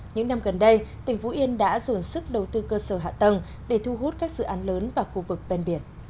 những năm gần đây tỉnh phú yên đã dồn sức đầu tư cơ sở hạ tầng để thu hút các dự án lớn vào khu vực ven biển